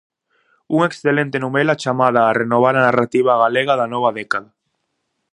Unha excelente novela chamada a renovar a narrativa galega da nova década.